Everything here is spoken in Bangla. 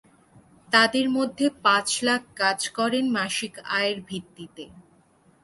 তাদের মধ্যে পাঁচ লাখ কাজ করেন মাসিক আয়ের ভিত্তিতে।